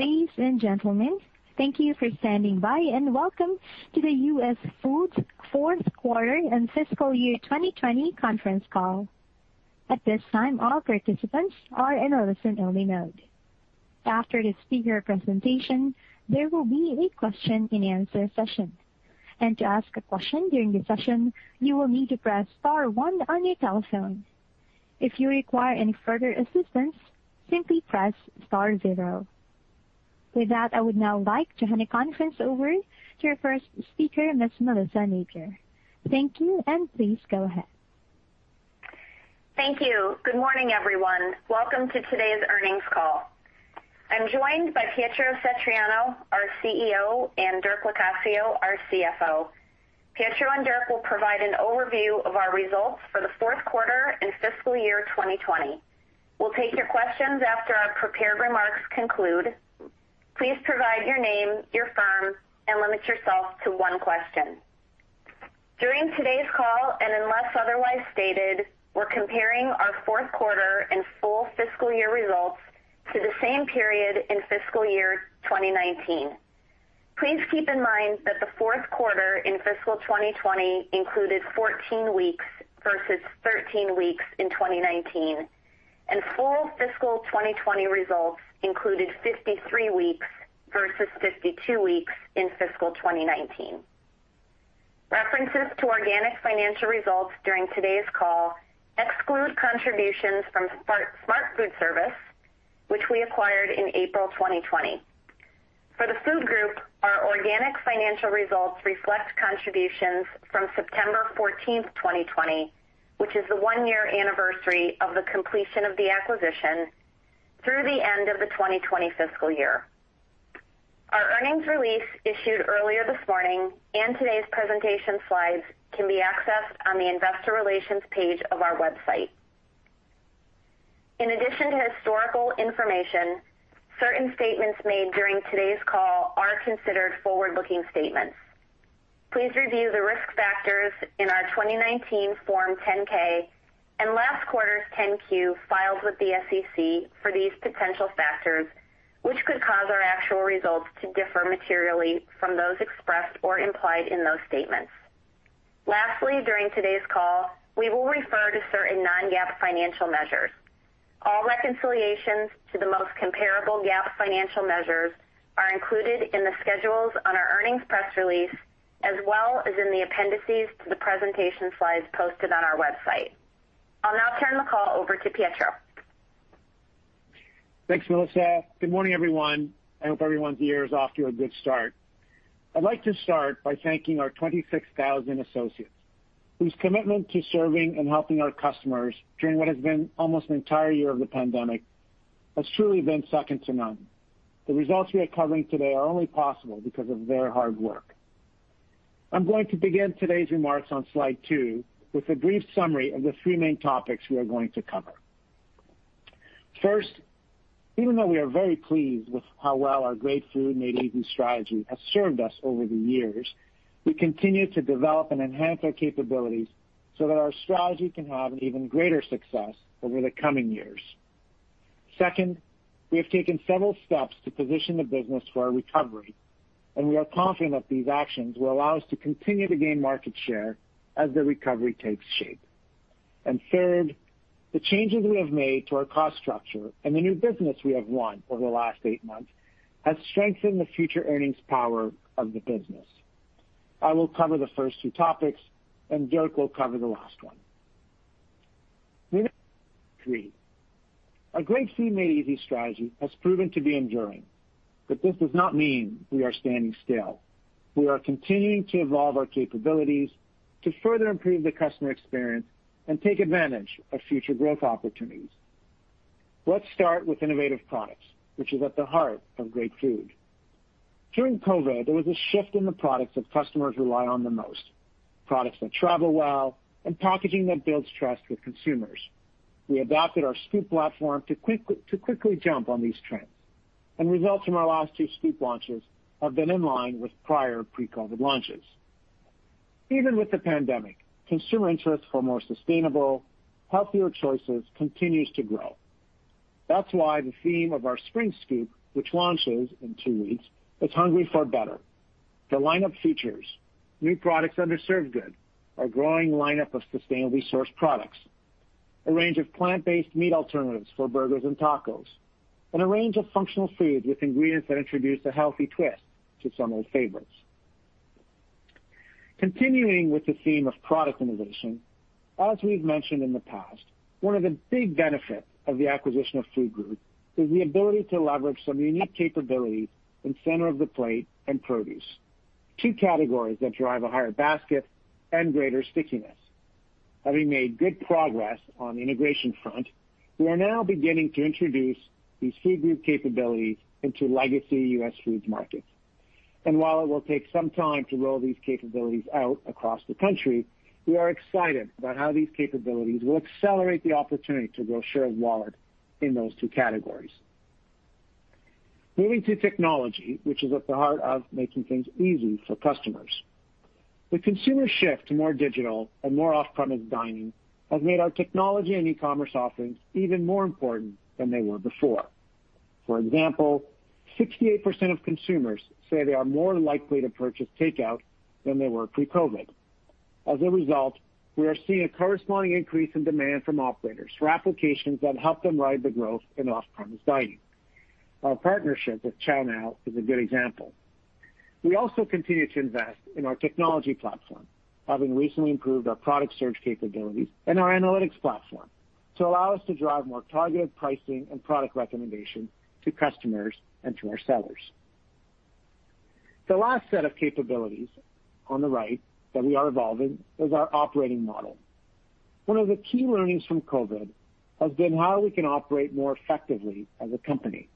Ladies and gentlemen, thank you for standing by, and welcome to the US Foods fourth quarter and Fiscal Year 2020 conference call. At this time, all participants are in a listen-only mode. After the speaker presentation, there will be a question and answer session, and to ask a question during the session, you will need to press star one on your telephone. If you require any further assistance, simply press star zero. With that, I would now like to hand the conference over to our first speaker, Ms. Melissa Napier. Thank you, and please go ahead. Thank you. Good morning, everyone. Welcome to today's earnings call. I'm joined by Pietro Satriano, our CEO, and Dirk Locascio, our CFO. Pietro and Dirk will provide an overview of our results for the fourth quarter and fiscal year 2020. We'll take your questions after our prepared remarks conclude. Please provide your name, your firm, and limit yourself to one question. During today's call, unless otherwise stated, we're comparing our fourth quarter and full fiscal year results to the same period in fiscal year 2019. Please keep in mind that the fourth quarter in fiscal 2020 included 14 weeks versus 13 weeks in 2019, full fiscal 2020 results included 53 weeks versus 52 weeks in fiscal 2019. References to organic financial results during today's call exclude contributions from Smart Foodservice, which we acquired in April 2020. For the food group, our organic financial results reflect contributions from September 14th, 2020, which is the one-year anniversary of the completion of the acquisition through the end of the 2020 fiscal year. Our earnings release, issued earlier this morning, and today's presentation slides can be accessed on the investor relations page of our website. In addition to historical information, certain statements made during today's call are considered forward-looking statements. Please review the risk factors in our 2019 Form 10-K and last quarter's Form 10-Q filed with the SEC for these potential factors, which could cause our actual results to differ materially from those expressed or implied in those statements. Lastly, during today's call, we will refer to certain non-GAAP financial measures. All reconciliations to the most comparable GAAP financial measures are included in the schedules on our earnings press release, as well as in the appendices to the presentation slides posted on our website. I'll now turn the call over to Pietro. Thanks, Melissa. Good morning, everyone. I hope everyone's year is off to a good start. I'd like to start by thanking our 26,000 associates, whose commitment to serving and helping our customers during what has been almost an entire year of the pandemic has truly been second to none. The results we are covering today are only possible because of their hard work. I'm going to begin today's remarks on slide two with a brief summary of the three main topics we are going to cover. First, even though we are very pleased with how well our Great Food Made Easy strategy has served us over the years, we continue to develop and enhance our capabilities so that our strategy can have an even greater success over the coming years. Second, we have taken several steps to position the business for a recovery, and we are confident that these actions will allow us to continue to gain market share as the recovery takes shape. Third, the changes we have made to our cost structure and the new business we have won over the last 8 months has strengthened the future earnings power of the business. I will cover the first 2 topics, and Dirk will cover the last one. Three, our Great Food Made Easy strategy has proven to be enduring, but this does not mean we are standing still. We are continuing to evolve our capabilities to further improve the customer experience and take advantage of future growth opportunities. Let's start with innovative products, which is at the heart of great food. During COVID, there was a shift in the products that customers rely on the most, products that travel well and packaging that builds trust with consumers. We adapted our Scoop platform to quickly jump on these trends, and results from our last two Scoop launches have been in line with prior pre-COVID launches. Even with the pandemic, consumer interest for more sustainable, healthier choices continues to grow. That's why the theme of our spring Scoop, which launches in two weeks, is Hungry for Better. The lineup features new products under Serve Good, our growing lineup of sustainably sourced products, a range of plant-based meat alternatives for burgers and tacos, and a range of functional foods with ingredients that introduce a healthy twist to some old favorites. Continuing with the theme of product innovation, as we've mentioned in the past, one of the big benefits of the acquisition of Food Group is the ability to leverage some unique capabilities in center of the plate and produce, two categories that drive a higher basket and greater stickiness. Having made good progress on the integration front, we are now beginning to introduce these Food Group capabilities into legacy US Foods markets, and while it will take some time to roll these capabilities out across the country, we are excited about how these capabilities will accelerate the opportunity to grow share of wallet in those two categories. Moving to technology, which is at the heart of making things easy for customers.... The consumer shift to more digital and more off-premise dining has made our technology and e-commerce offerings even more important than they were before. For example, 68% of consumers say they are more likely to purchase takeout than they were pre-COVID. As a result, we are seeing a corresponding increase in demand from operators for applications that help them ride the growth in off-premise dining. Our partnership with ChowNow is a good example. We also continue to invest in our technology platform, having recently improved our product search capabilities and our analytics platform to allow us to drive more targeted pricing and product recommendations to customers and to our sellers. The last set of capabilities on the right that we are evolving is our operating model. One of the key learnings from COVID has been how we can operate more effectively as a company.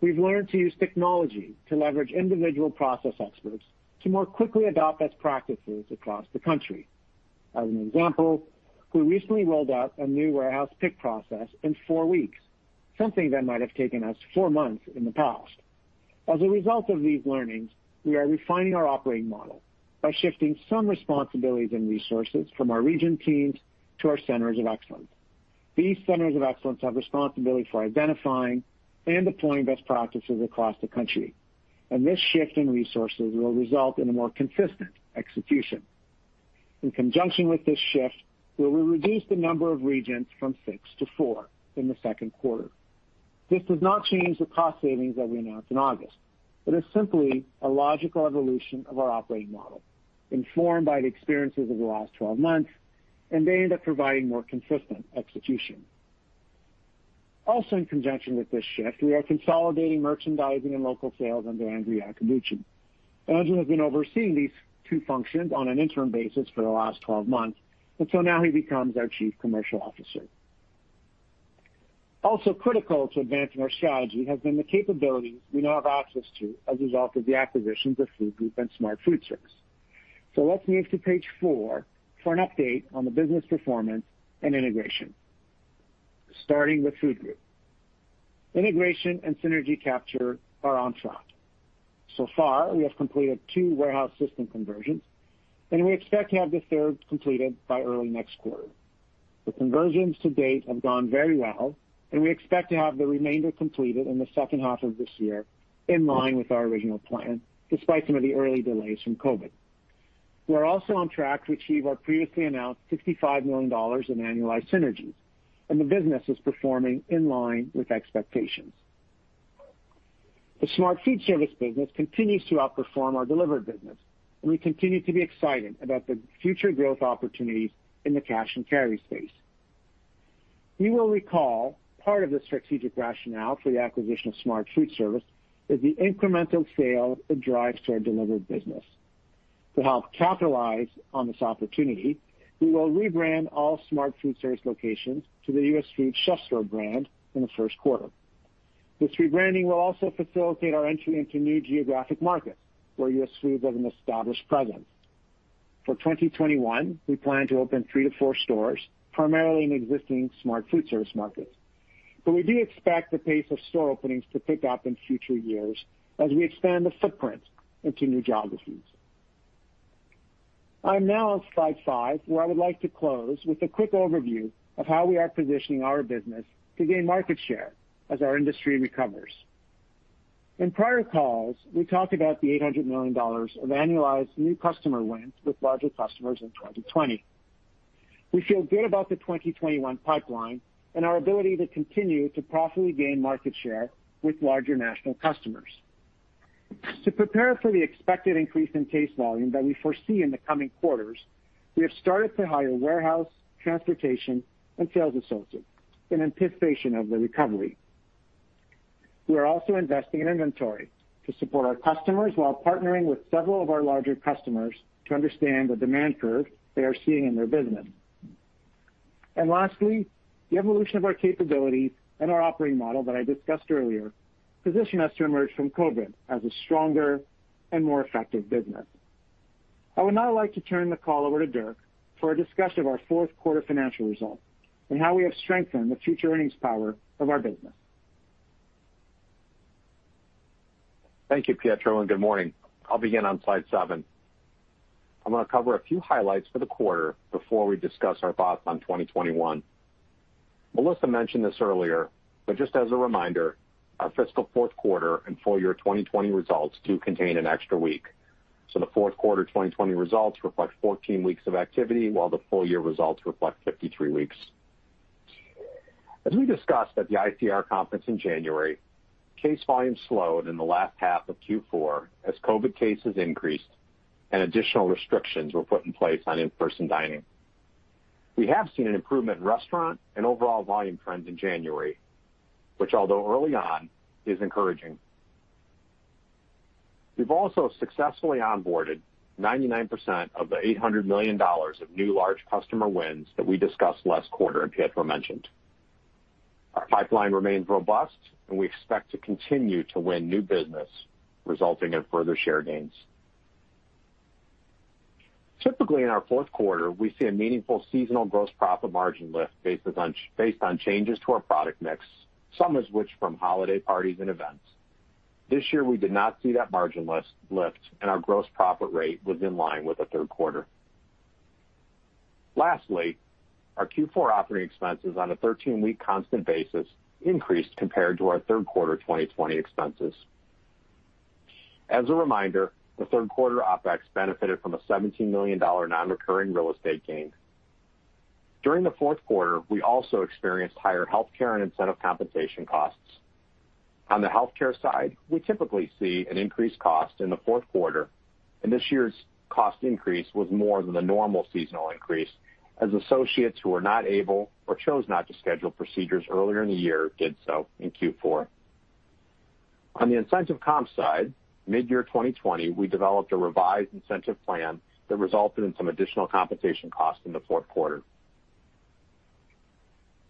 We've learned to use technology to leverage individual process experts to more quickly adopt best practices across the country. As an example, we recently rolled out a new warehouse pick process in four weeks, something that might have taken us four months in the past. As a result of these learnings, we are refining our operating model by shifting some responsibilities and resources from our region teams to our centers of excellence. These centers of excellence have responsibility for identifying and deploying best practices across the country. This shift in resources will result in a more consistent execution. In conjunction with this shift, where we reduce the number of regions from six to four in the second quarter. This does not change the cost savings that we announced in August. It is simply a logical evolution of our operating model, informed by the experiences of the last 12 months, and aimed at providing more consistent execution. In conjunction with this shift, we are consolidating merchandising and local sales under Andrew Iacobucci. Andrew has been overseeing these two functions on an interim basis for the last 12 months, now he becomes our Chief Commercial Officer. Critical to advancing our strategy has been the capabilities we now have access to as a result of the acquisitions of Food Group and Smart Foodservice. Let's move to page four for an update on the business performance and integration. Starting with Food Group. Integration and synergy capture are on track. So far, we have completed two warehouse system conversions, and we expect to have the third completed by early next quarter. The conversions to date have gone very well, and we expect to have the remainder completed in the second half of this year, in line with our original plan, despite some of the early delays from COVID. We're also on track to achieve our previously announced $65 million in annualized synergies, and the business is performing in line with expectations. The Smart Foodservice business continues to outperform our delivered business, and we continue to be excited about the future growth opportunities in the cash and carry space. You will recall part of the strategic rationale for the acquisition of Smart Foodservice is the incremental sales it drives to our delivered business. To help capitalize on this opportunity, we will rebrand all Smart Foodservice locations to the US Foods CHEF'STORE brand in the first quarter. This rebranding will also facilitate our entry into new geographic markets where US Foods has an established presence. For 2021, we plan to open three to four stores, primarily in existing Smart Foodservice markets, but we do expect the pace of store openings to pick up in future years as we expand the footprint into new geographies. I'm now on slide five, where I would like to close with a quick overview of how we are positioning our business to gain market share as our industry recovers. In prior calls, we talked about the $800 million of annualized new customer wins with larger customers in 2020. We feel good about the 2021 pipeline and our ability to continue to profitably gain market share with larger national customers. To prepare for the expected increase in case volume that we foresee in the coming quarters, we have started to hire warehouse, transportation, and sales associates in anticipation of the recovery. We are also investing in inventory to support our customers while partnering with several of our larger customers to understand the demand curve they are seeing in their business. Lastly, the evolution of our capabilities and our operating model that I discussed earlier position us to emerge from COVID as a stronger and more effective business. I would now like to turn the call over to Dirk for a discussion of our fourth quarter financial results and how we have strengthened the future earnings power of our business. Thank you, Pietro, and good morning. I'll begin on slide seven. I'm gonna cover a few highlights for the quarter before we discuss our thoughts on 2021. Melissa mentioned this earlier, but just as a reminder, our fiscal fourth quarter and full year 2020 results do contain an extra week. The fourth quarter 2020 results reflect 14 weeks of activity, while the full year results reflect 53 weeks. As we discussed at the ICR Conference in January, case volume slowed in the last half of Q4 as COVID cases increased and additional restrictions were put in place on in-person dining. We have seen an improvement in restaurant and overall volume trends in January, which, although early on, is encouraging. We've also successfully onboarded 99% of the $800 million of new large customer wins that we discussed last quarter, and Pietro mentioned. Our pipeline remains robust, and we expect to continue to win new business, resulting in further share gains. Typically, in our fourth quarter, we see a meaningful seasonal gross profit margin lift based on changes to our product mix, some of which from holiday parties and events. This year, we did not see that margin less lift, and our gross profit rate was in line with the third quarter. Lastly, our Q4 operating expenses on a 13-week constant basis increased compared to our third quarter 2020 expenses. As a reminder, the third quarter OpEx benefited from a $17 million non-recurring real estate gain. During the fourth quarter, we also experienced higher healthcare and incentive compensation costs. On the healthcare side, we typically see an increased cost in the fourth quarter. This year's cost increase was more than the normal seasonal increase, as associates who were not able or chose not to schedule procedures earlier in the year did so in Q4. On the incentive comp side, midyear 2020, we developed a revised incentive plan that resulted in some additional compensation costs in the fourth quarter.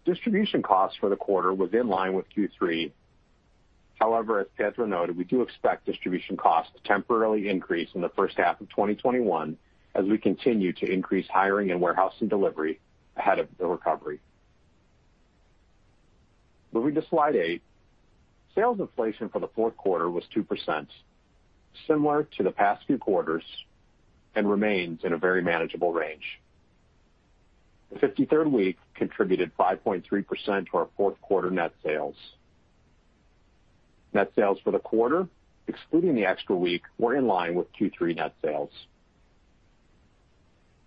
Distribution costs for the quarter was in line with Q3. As Pietro noted, we do expect distribution costs to temporarily increase in the first half of 2021, as we continue to increase hiring and warehouse and delivery ahead of the recovery. Moving to slide eight. Sales inflation for the fourth quarter was 2%, similar to the past few quarters and remains in a very manageable range. The 53rd week contributed 5.3% to our fourth quarter net sales. Net sales for the quarter, excluding the extra week, were in line with Q3 net sales.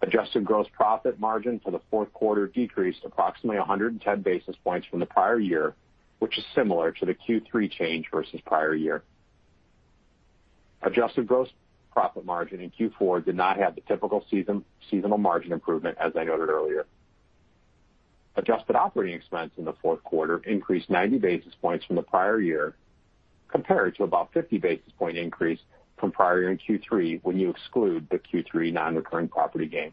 Adjusted gross profit margin for the fourth quarter decreased approximately 110 basis points from the prior year, which is similar to the Q3 change versus prior year. Adjusted gross profit margin in Q4 did not have the typical seasonal margin improvement as I noted earlier. Adjusted operating expense in the fourth quarter increased 90 basis points from the prior year, compared to about 50 basis point increase from prior in Q3 when you exclude the Q3 non-recurring property gain.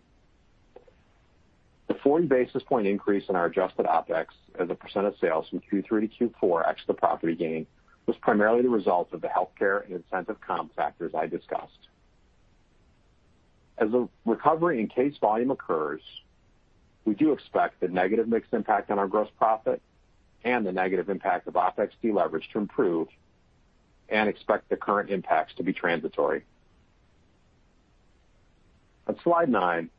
The 40 basis point increase in our adjusted OpEx as a % of sales from Q3 to Q4, ex the property gain, was primarily the result of the healthcare and incentive comp factors I discussed. As the recovery in case volume occurs, we do expect the negative mix impact on our gross profit and the negative impact of OpEx deleverage to improve and expect the current impacts to be transitory. On slide nine,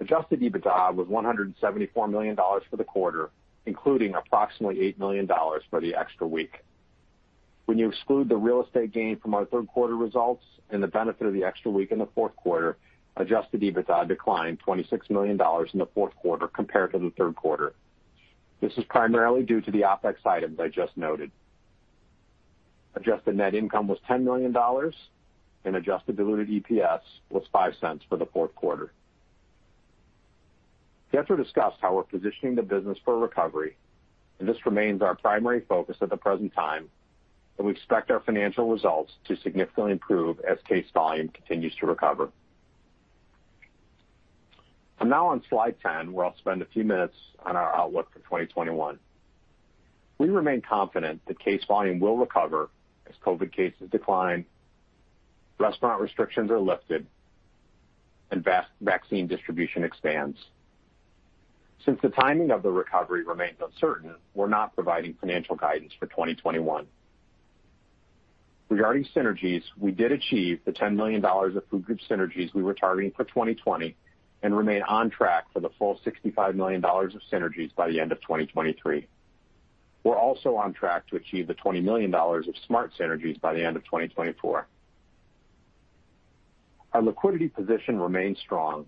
adjusted EBITDA was $174 million for the quarter, including approximately $8 million for the extra week. When you exclude the real estate gain from our third quarter results and the benefit of the extra week in the fourth quarter, adjusted EBITDA declined $26 million in the fourth quarter compared to the third quarter. This is primarily due to the OpEx items I just noted. Adjusted net income was $10 million, and adjusted diluted EPS was $0.05 for the fourth quarter. Pietro discussed how we're positioning the business for a recovery, and this remains our primary focus at the present time, and we expect our financial results to significantly improve as case volume continues to recover. Now on slide 10, where I'll spend a few minutes on our outlook for 2021. We remain confident that case volume will recover as COVID cases decline, restaurant restrictions are lifted, and vaccine distribution expands. Since the timing of the recovery remains uncertain, we're not providing financial guidance for 2021. Regarding synergies, we did achieve the $10 million of food group synergies we were targeting for 2020 and remain on track for the full $65 million of synergies by the end of 2023. We're also on track to achieve the $20 million of smart synergies by the end of 2024. Our liquidity position remains strong,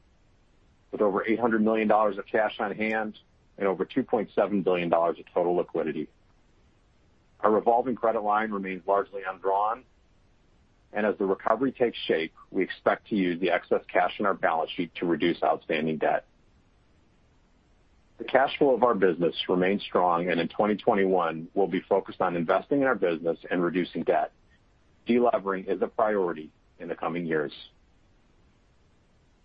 with over $800 million of cash on hand and over $2.7 billion of total liquidity. Our revolving credit line remains largely undrawn, and as the recovery takes shape, we expect to use the excess cash on our balance sheet to reduce outstanding debt. The cash flow of our business remains strong, and in 2021, we'll be focused on investing in our business and reducing debt. De-levering is a priority in the coming years.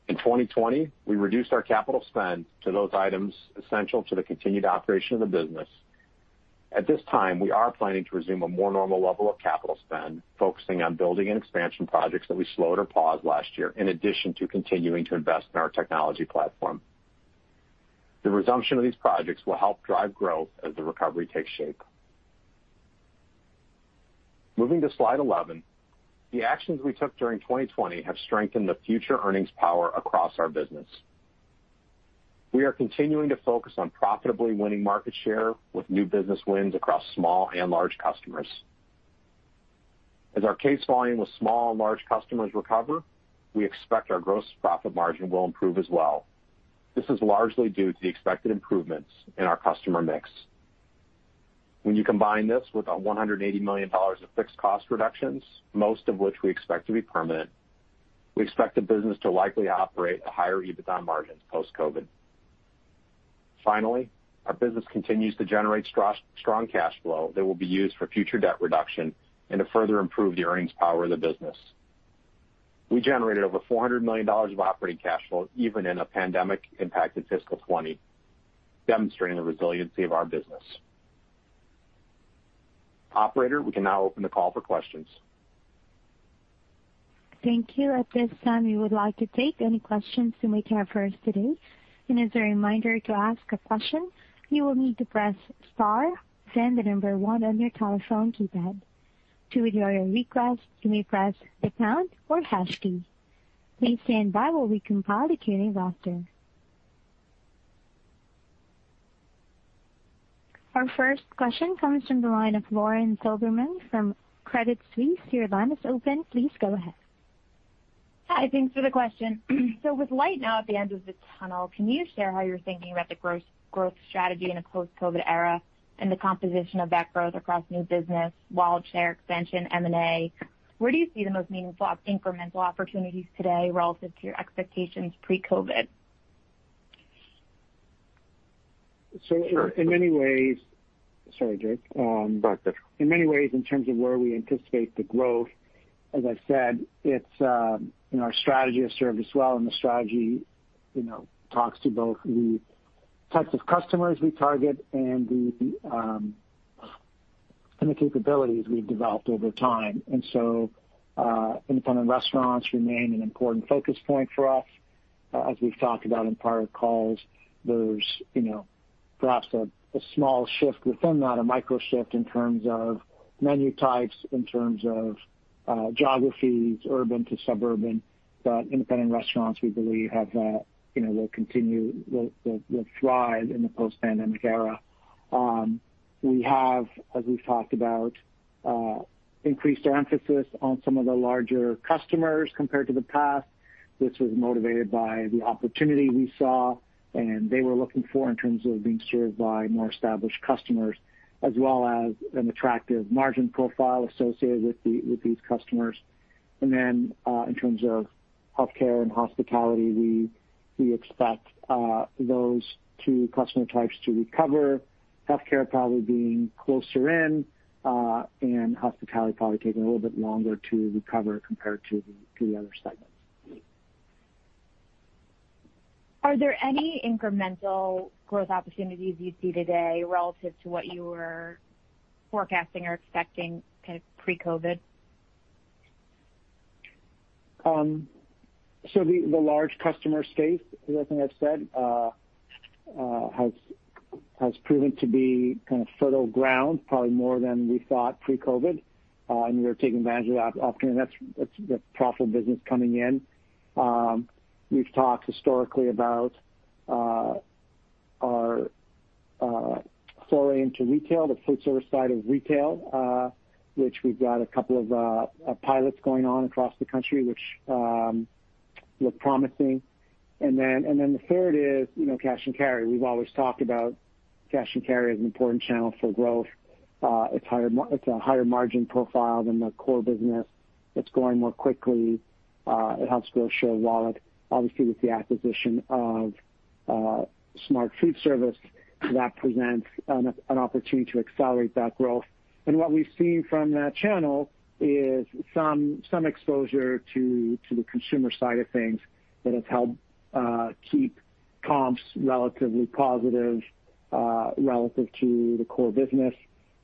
In 2020, we reduced our capital spend to those items essential to the continued operation of the business. At this time, we are planning to resume a more normal level of capital spend, focusing on building and expansion projects that we slowed or paused last year, in addition to continuing to invest in our technology platform. The resumption of these projects will help drive growth as the recovery takes shape. Moving to slide 11. The actions we took during 2020 have strengthened the future earnings power across our business. We are continuing to focus on profitably winning market share with new business wins across small and large customers. As our case volume with small and large customers recover, we expect our gross profit margin will improve as well. This is largely due to the expected improvements in our customer mix. When you combine this with a $180 million of fixed cost reductions, most of which we expect to be permanent, we expect the business to likely operate at higher EBITDA margins post-COVID. Finally, our business continues to generate strong cash flow that will be used for future debt reduction and to further improve the earnings power of the business. We generated over $400 million of operating cash flow, even in a pandemic-impacted fiscal 2020, demonstrating the resiliency of our business. Operator, we can now open the call for questions. Thank you. At this time, we would like to take any questions you may have for us today. As a reminder, to ask a question, you will need to press star, then one on your telephone keypad. To withdraw your request, you may press the pound or hash key. Please stand by while we compile the queue roster. Our first question comes from the line of Lauren Silberman from Credit Suisse. Your line is open. Please go ahead. Hi, thanks for the question. With light now at the end of the tunnel, can you share how you're thinking about the gross growth strategy in a post-COVID era and the composition of that growth across new business, wallet share expansion, M&A? Where do you see the most meaningful incremental opportunities today relative to your expectations pre-COVID? In many ways. Sorry, Dirk. Go ahead. In many ways, in terms of where we anticipate the growth, as I said, it's, you know, our strategy has served us well, and the strategy, you know, talks to both the types of customers we target and the capabilities we've developed over time. Independent restaurants remain an important focus point for us. As we've talked about in prior calls, there's, you know, perhaps a, a small shift within that, a micro shift in terms of menu types, in terms of geographies, urban to suburban. Independent restaurants, we believe, have, you know, will continue, will, will, will thrive in the post-pandemic era. We have, as we've talked about, increased our emphasis on some of the larger customers compared to the past. This was motivated by the opportunity we saw, and they were looking for in terms of being served by more established customers, as well as an attractive margin profile associated with these customers. Then, in terms of healthcare and hospitality, we expect those two customer types to recover. Healthcare probably being closer in, and hospitality probably taking a little bit longer to recover compared to the other segments. Are there any incremental growth opportunities you see today relative to what you were forecasting or expecting kind of pre-COVID? The large customer space, as I think I've said, has proven to be kind of fertile ground, probably more than we thought pre-COVID. We're taking advantage of that opportunity. That's, that's a profitable business coming in. We've talked historically about our foray into retail, the food service side of retail, which we've got a couple of pilots going on across the country, which look promising. And then the third is, you know, cash and carry. We've always talked about cash and carry as an important channel for growth. It's higher mar-- it's a higher margin profile than the core business. It's growing more quickly. It helps grow share of wallet. Obviously, with the acquisition of Smart Foodservice, that presents an opportunity to accelerate that growth. What we've seen from that channel is some, some exposure to, to the consumer side of things that has helped keep comps relatively positive relative to the core business.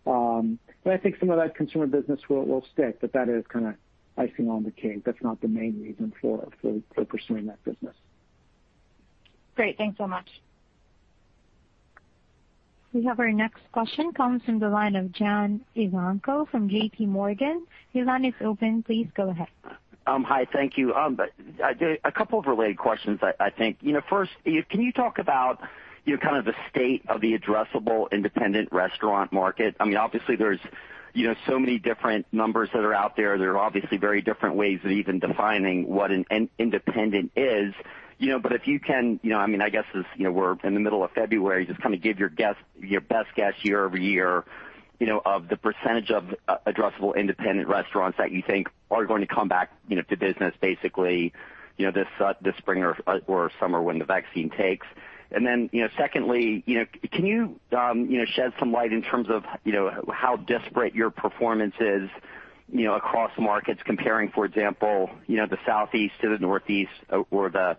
But I think some of that consumer business will, will stick, but that is kinda icing on the cake. That's not the main reason for, for, for pursuing that business. Great. Thanks so much. We have our next question comes from the line of John Ivankoe from JPMorgan. Your line is open. Please go ahead. Hi. Thank you. A couple of related questions I, I think. You know, first, can you talk about, you know, kind of the state of the addressable independent restaurant market? I mean, obviously, there's, you know, so many different numbers that are out there. There are obviously very different ways of even defining what an independent is, you know, but if you can, you know, I mean, I guess this, you know, we're in the middle of February, just kind of give your guess, your best guess year-over-year, you know, of the percentage of addressable independent restaurants that you think are going to come back, you know, to business, basically, you know, this spring or summer when the vaccine takes. Then, you know, secondly, you know, can you, you know, shed some light in terms of, you know, how disparate your performance is, you know, across markets comparing, for example, you know, the Southeast to the Northeast or the,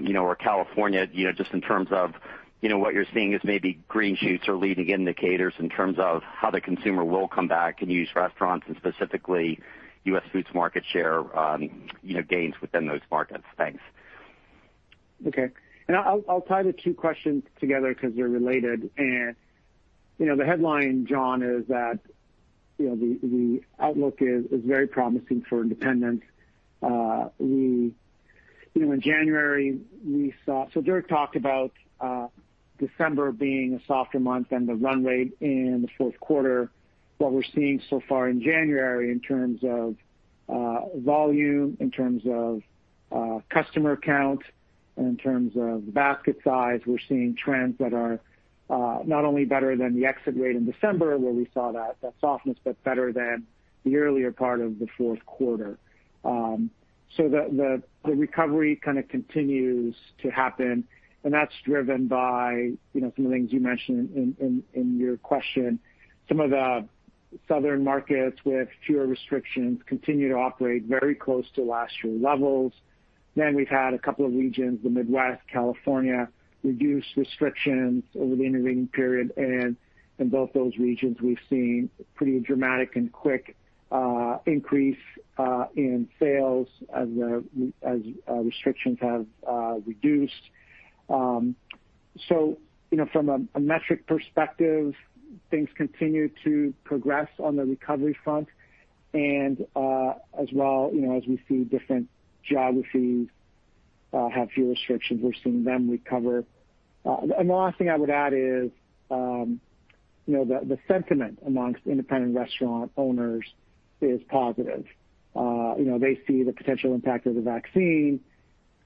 you know, or California, you know, just in terms of, you know, what you're seeing as maybe green shoots or leading indicators in terms of how the consumer will come back and use restaurants, and specifically, US Foods market share, you know, gains within those markets. Thanks. Okay. I'll, I'll tie the two questions together because they're related. You know, the headline, John, is that, you know, the, the outlook is, is very promising for independents. You know, in January, we saw Dirk talked about December being a softer month and the run rate in the fourth quarter. What we're seeing so far in January in terms of volume, in terms of customer count, and in terms of basket size, we're seeing trends that are not only better than the exit rate in December, where we saw that, that softness, but better than the earlier part of the fourth quarter. The, the, the recovery kind of continues to happen, and that's driven by, you know, some of the things you mentioned in, in, in your question. Some of the southern markets with fewer restrictions continue to operate very close to last year levels. We've had a couple of regions, the Midwest, California, reduce restrictions over the intervening period, and in both those regions, we've seen a pretty dramatic and quick increase in sales as the, as restrictions have reduced. You know, from a metric perspective, things continue to progress on the recovery front. As well, you know, as we see different geographies have fewer restrictions, we're seeing them recover. The last thing I would add is, you know, the sentiment amongst independent restaurant owners is positive. You know, they see the potential impact of the vaccine,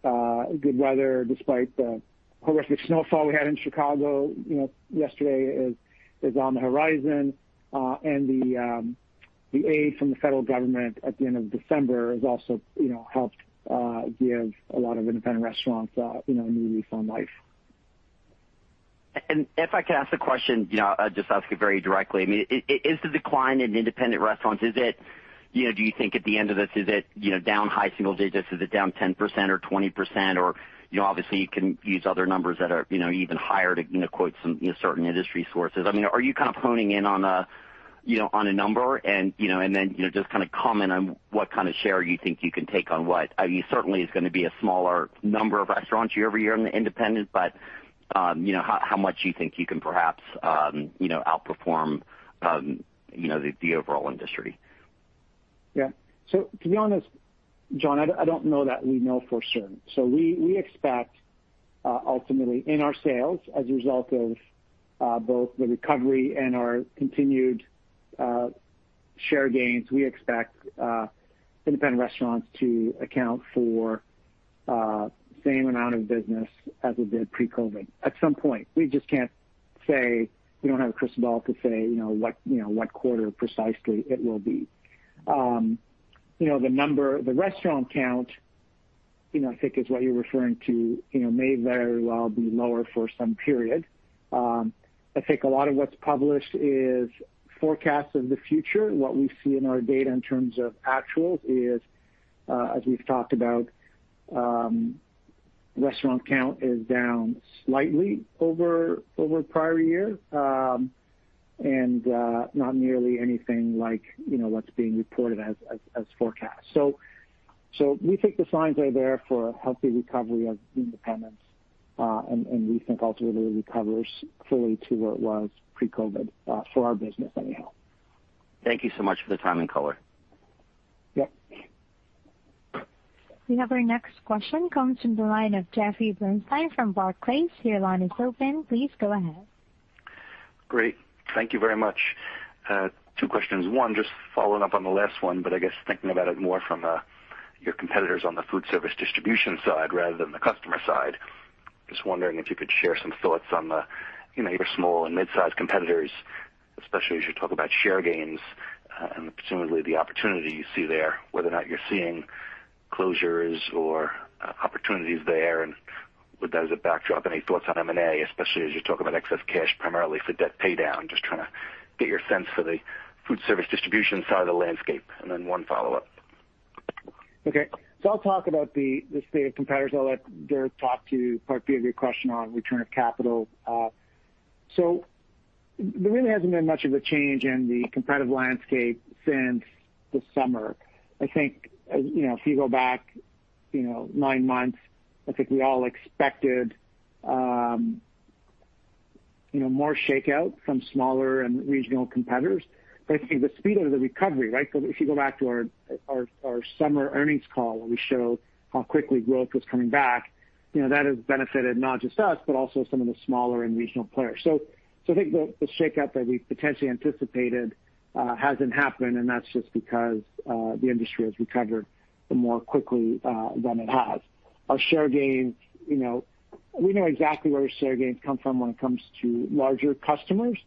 good weather, despite the horrific snowfall we had in Chicago, you know, yesterday is, is on the horizon. The aid from the federal government at the end of December has also, you know, helped give a lot of independent restaurants, you know, a new lease on life. If I could ask a question, you know, I'll just ask it very directly. I mean, is the decline in independent restaurants, is it, you know, do you think at the end of this, is it, you know, down high single digits? Is it down 10% or 20%? Or, you know, obviously, you can use other numbers that are, you know, even higher to, you know, quote some, you know, certain industry sources. I mean, are you kind of honing in on a, you know, on a number and, you know, and then, you know, just kind of comment on what kind of share you think you can take on what? I mean, certainly it's gonna be a smaller number of restaurants year-over-year in the independent, but, you know, how, how much do you think you can perhaps, you know, outperform, you know, the, the overall industry? Yeah. To be honest, John, I don't know that we know for sure. We, we expect, ultimately in our sales, as a result of both the recovery and our continued share gains, we expect independent restaurants to account for the same amount of business as it did pre-COVID. At some point, we just can't say... We don't have a crystal ball to say, you know, what, you know, what quarter precisely it will be. You know, the number, the restaurant count, you know, I think is what you're referring to, you know, may very well be lower for some period. I think a lot of what's published is forecasts of the future. What we see in our data in terms of actuals is, as we've talked about, restaurant count is down slightly over, over prior year, and not nearly anything like, you know, what's being reported as, as, as forecast. We think the signs are there for a healthy recovery of independents, and we think ultimately it recovers fully to where it was pre-COVID, for our business anyhow. Thank you so much for the time and color. Yep. We have our next question comes from the line of Jeffrey Bernstein from Barclays. Your line is open. Please go ahead. Great. Thank you very much. Two questions. One, just following up on the last one, but I guess thinking about it more from your competitors on the food service distribution side rather than the customer side. Just wondering if you could share some thoughts on the, you know, your small and mid-sized competitors, especially as you talk about share gains, and presumably the opportunity you see there, whether or not you're seeing closures or opportunities there. With that as a backdrop, any thoughts on M&A, especially as you talk about excess cash, primarily for debt paydown? Just trying to get your sense for the food service distribution side of the landscape, and then one follow-up. Okay. I'll talk about the, the state of competitors. I'll let Dirk talk to part B of your question on return of capital. There really hasn't been much of a change in the competitive landscape since the summer. I think, you know, if you go back, you know, nine months, I think we all expected, you know, more shakeout from smaller and regional competitors. I think the speed of the recovery, right? If you go back to our, our, our summer earnings call, where we showed how quickly growth was coming back, you know, that has benefited not just us, but also some of the smaller and regional players. I think the, the shakeout that we potentially anticipated, hasn't happened, and that's just because the industry has recovered more quickly than it has. Our share gains, you know, we know exactly where our share gains come from when it comes to larger customers.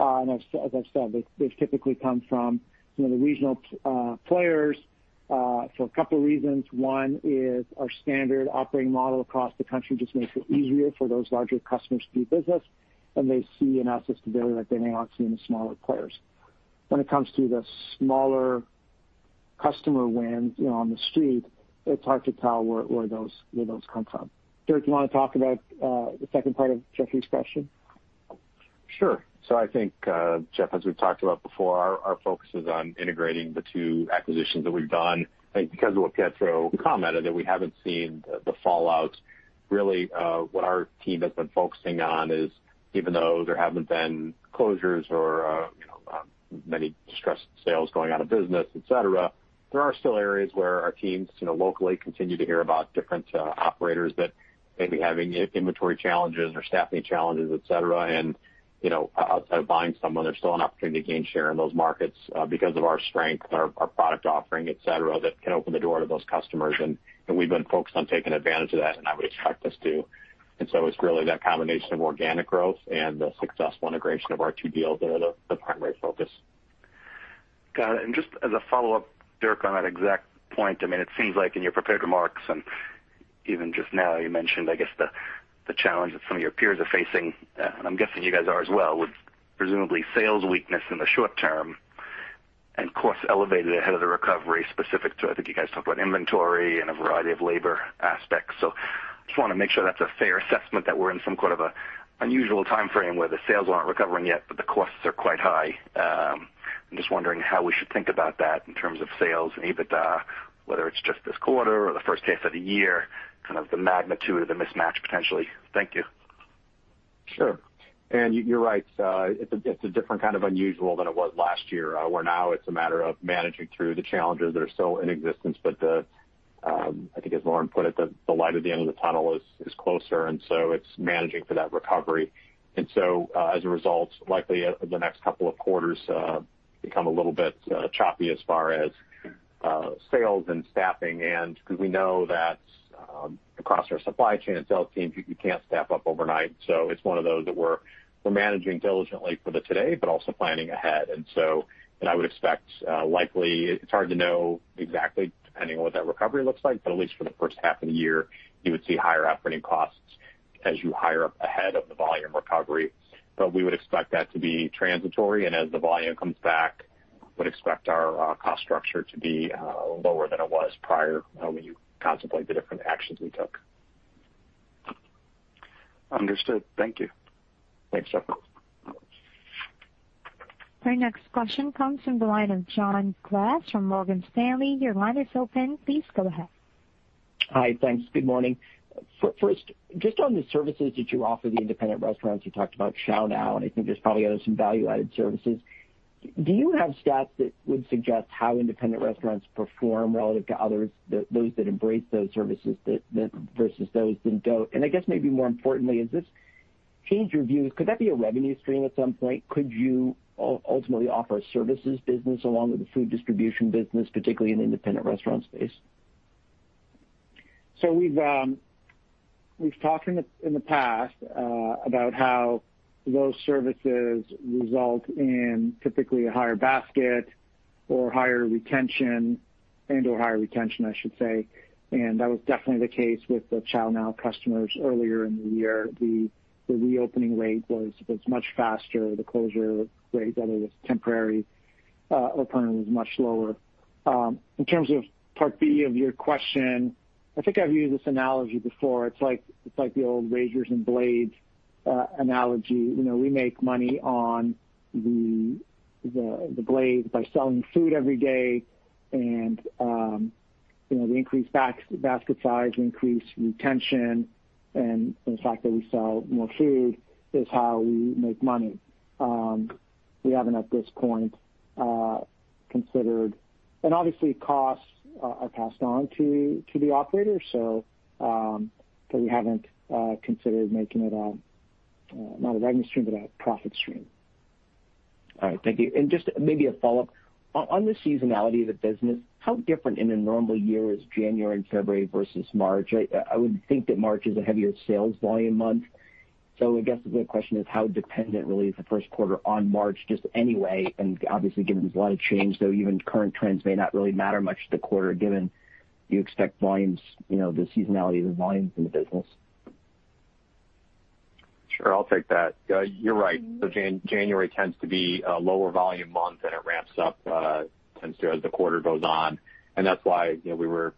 As, as I've said, they, they typically come from, you know, the regional players for a couple reasons. One is our standard operating model across the country just makes it easier for those larger customers to do business, and they see an asset stability that they may not see in the smaller players. When it comes to the smaller customer wins, you know, on the street, it's hard to tell where, where those, where those come from. Dirk, do you want to talk about the second part of Jeffrey's question? Sure. I think, Jeff, as we've talked about before, our, our focus is on integrating the two acquisitions that we've done. I think because of what Pietro commented, that we haven't seen the, the fallout. Really, what our team has been focusing on is, even though there haven't been closures or, you know, many distressed sales going out of business, et cetera, there are still areas where our teams, you know, locally continue to hear about different operators that may be having inventory challenges or staffing challenges, et cetera. You know, outside of buying someone, there's still an opportunity to gain share in those markets, because of our strength, our, our product offering, et cetera, that can open the door to those customers. And we've been focused on taking advantage of that, and I would expect us to. It's really that combination of organic growth and the successful integration of our two deals that are the primary focus. Got it. Just as a follow-up, Dirk, on that exact point, I mean, it seems like in your prepared remarks, and even just now, you mentioned, I guess the, the challenge that some of your peers are facing, and I'm guessing you guys are as well, with presumably sales weakness in the short term, and costs elevated ahead of the recovery specific to, I think you guys talked about inventory and a variety of labor aspects. Just wanna make sure that's a fair assessment, that we're in some kind of a unusual time frame where the sales aren't recovering yet, but the costs are quite high. I'm just wondering how we should think about that in terms of sales and EBITDA, whether it's just this quarter or the first half of the year, kind of the magnitude of the mismatch, potentially. Thank you. Sure. You, you're right, it's a, it's a different kind of unusual than it was last year, where now it's a matter of managing through the challenges that are still in existence. The, I think as Lauren put it, the, the light at the end of the tunnel is, is closer, so it's managing for that recovery. As a result, likely the next couple of quarters become a little bit choppy as far as sales and staffing. Because we know that, across our supply chain sales team, you, you can't staff up overnight. It's one of those that we're, we're managing diligently for the today, but also planning ahead. I would expect, likely. It's hard to know exactly, depending on what that recovery looks like, but at least for the first half of the year, you would see higher operating costs as you hire up ahead of the volume recovery. We would expect that to be transitory, and as the volume comes back, would expect our cost structure to be lower than it was prior when you contemplate the different actions we took. Understood. Thank you. Thanks, Jeff. Our next question comes from the line of John Glass from Morgan Stanley. Your line is open. Please go ahead. Hi. Thanks. Good morning. First, just on the services that you offer, the independent restaurants, you talked about ChowNow, and I think there's probably others, some value-added services. Do you have stats that would suggest how independent restaurants perform relative to others, those that embrace those services, that, that versus those that don't? I guess maybe more importantly, has this changed your views? Could that be a revenue stream at some point? Could you ultimately offer a services business along with the food distribution business, particularly in the independent restaurant space? We've, we've talked in the, in the past, about how those services result in typically a higher basket or higher retention, and/or higher retention, I should say. That was definitely the case with the ChowNow customers earlier in the year. The, the reopening rate was, was much faster. The closure rate, whether it was temporary, or permanent, was much lower. In terms of part B of your question, I think I've used this analogy before. It's like, it's like the old razors and blades, analogy. You know, we make money on the, the, the blades by selling food every day, and, you know, we increase basket size, we increase retention, and the fact that we sell more food is how we make money. We haven't at this point, considered. Obviously, costs are, are passed on to, to the operators, so, but we haven't considered making it a, not a revenue stream, but a profit stream. All right. Thank you. Just maybe a follow-up. On the seasonality of the business, how different in a normal year is January and February versus March? I would think that March is a heavier sales volume month. I guess the question is, how dependent really is the first quarter on March just anyway, and obviously, given there's a lot of change, though, even current trends may not really matter much to the quarter, given you expect volumes, you know, the seasonality of the volumes in the business? Sure. I'll take that. You're right. January tends to be a lower volume month, and it ramps up, tends to as the quarter goes on. That's why, you know, we were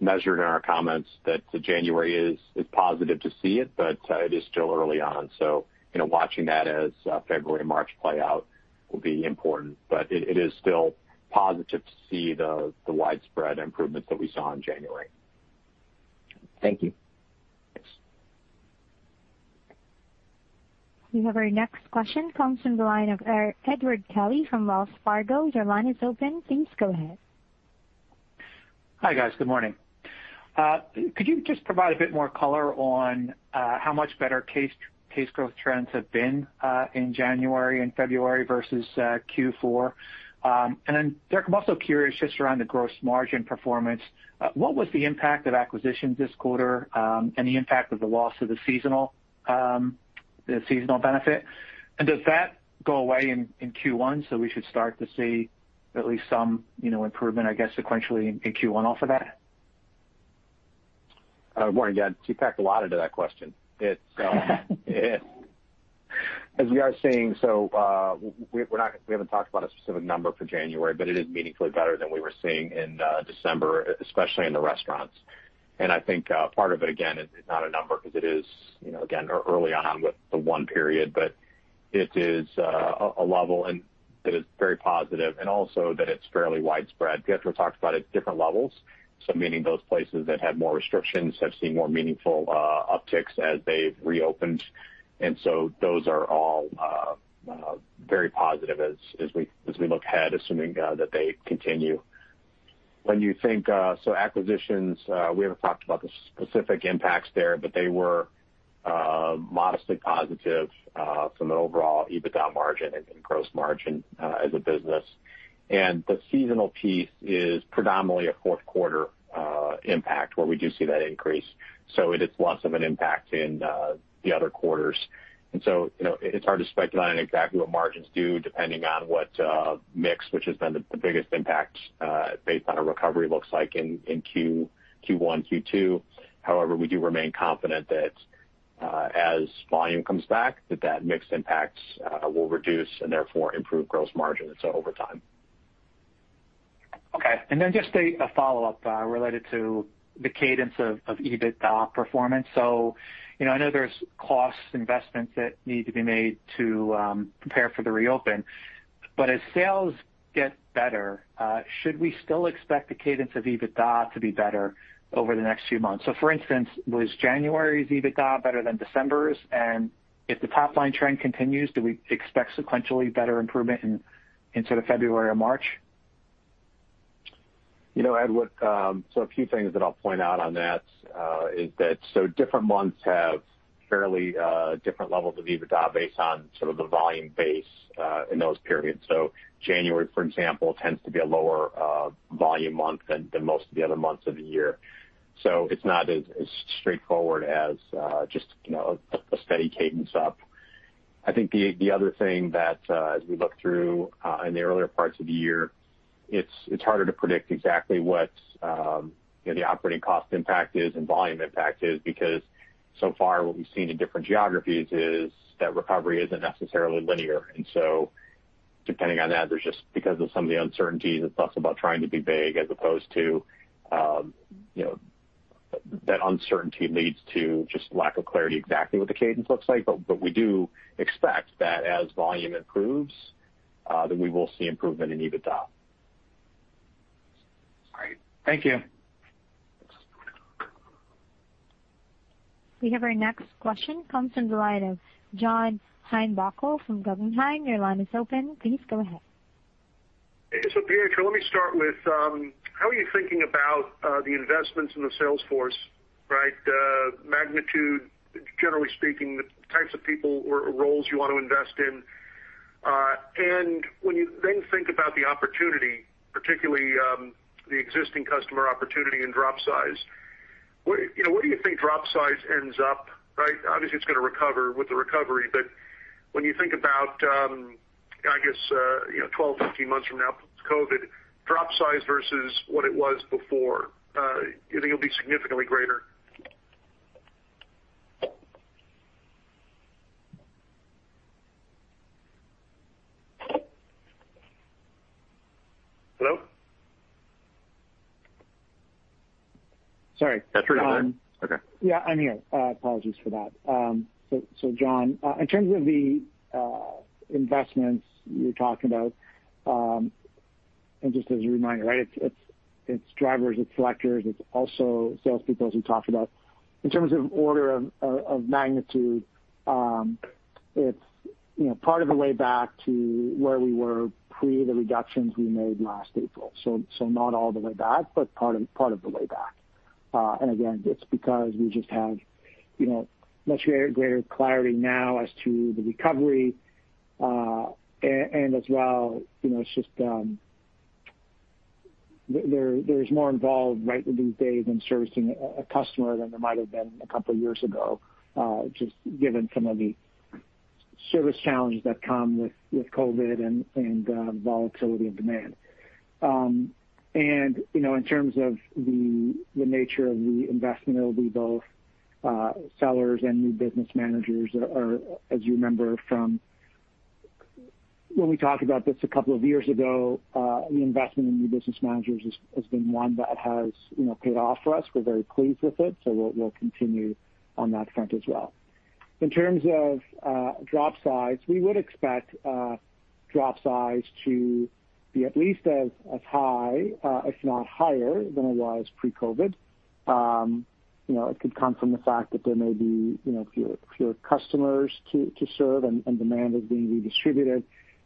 measured in our comments that January is, is positive to see it, but it is still early on. You know, watching that as February, March play out will be important. It, it is still positive to see the, the widespread improvements that we saw in January. Thank you. Thanks. We have our next question comes from the line of Edward Kelly from Wells Fargo. Your line is open. Please go ahead. Hi, guys. Good morning. Could you just provide a bit more color on how much better case growth trends have been in January and February versus Q4? Dirk, I'm also curious just around the gross margin performance, what was the impact of acquisitions this quarter, and the impact of the loss of the seasonal, the seasonal benefit? Does that go away in, in Q1, so we should start to see at least some, you know, improvement, I guess, sequentially in, in Q1 off of that? Good morning, Ed. You packed a lot into that question. It, as we are seeing, we haven't talked about a specific number for January, but it is meaningfully better than we were seeing in December, especially in the restaurants. I think, part of it, again, is not a number, because it is, you know, again, early on with the one period, but it is a level, and it is very positive and also that it's fairly widespread. Pietro talked about it, different levels, so meaning those places that had more restrictions have seen more meaningful upticks as they've reopened. Those are all very positive as, as we, as we look ahead, assuming that they continue. When you think, so acquisitions, we haven't talked about the specific impacts there, but they were modestly positive from an overall EBITDA margin and gross margin as a business. The seasonal piece is predominantly a fourth quarter impact, where we do see that increase, so it is less of an impact in the other quarters. So, you know, it's hard to speculate on exactly what margins do, depending on what mix, which has been the biggest impact, based on a recovery looks like in Q1, Q2. However, we do remain confident that as volume comes back, that mix impacts will reduce and therefore improve gross margins over time. Okay. Just a follow-up related to the cadence of EBIT performance. You know, I know there's cost investments that need to be made to prepare for the reopen. As sales get better, should we still expect the cadence of EBITDA to be better over the next few months? For instance, was January's EBITDA better than December's? If the top line trend continues, do we expect sequentially better improvement into February or March? You know, Edward, a few things that I'll point out on that, is that different months have fairly different levels of EBITDA based on sort of the volume base in those periods. January, for example, tends to be a lower volume month than, than most of the other months of the year. It's not as, as straightforward as, just, you know, a, a steady cadence up. I think the, the other thing that, as we look through, in the earlier parts of the year, it's, it's harder to predict exactly what, you know, the operating cost impact is and volume impact is because so far what we've seen in different geographies is that recovery isn't necessarily linear. Depending on that, there's just because of some of the uncertainties, it's less about trying to be vague as opposed to, you know, that uncertainty leads to just lack of clarity exactly what the cadence looks like. We do expect that as volume improves, that we will see improvement in EBITDA. All right. Thank you. We have our next question comes from the line of John Heinbockel from Guggenheim. Your line is open. Please go ahead. Hey, so Pietro, let me start with, how are you thinking about the investments in the sales force, right? Magnitude, generally speaking, the types of people or roles you want to invest in. When you then think about the opportunity, particularly, the existing customer opportunity in drop size, where, you know, where do you think drop size ends up, right? Obviously, it's gonna recover with the recovery, but when you think about, I guess, you know, 12 to 15 months from now, post-COVID, drop size versus what it was before, do you think it'll be significantly greater? Hello? Sorry. That's right. Okay. Yeah, I'm here. Apologies for that. John, in terms of the investments you're talking about, just as a reminder, right, it's, it's, it's drivers, it's selectors, it's also salespeople, as we talked about. In terms of order of, of, of magnitude, it's, you know, part of the way back to where we were pre the reductions we made last April. Not all the way back, but part of, part of the way back. Again, it's because we just have, you know, much greater clarity now as to the recovery. As well, you know, it's just, there's more involved, right, these days in servicing a customer than there might have been a couple of years ago, just given some of the service challenges that come with COVID and volatility and demand. You know, in terms of the nature of the investment, it'll be both sellers and new business managers or, as you remember from when we talked about this a couple of years ago, the investment in new business managers has been one that has, you know, paid off for us. We're very pleased with it, so we'll continue on that front as well. In terms of drop size, we would expect drop size to be at least as high, if not higher than it was pre-COVID. You know, it could come from the fact that there may be, you know, fewer, fewer customers to, to serve and, and demand is being redistributed.